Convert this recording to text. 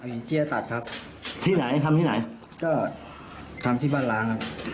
อย่างที่จะตัดครับที่ไหนทำที่ไหนก็ทำที่บ้านล้างครับ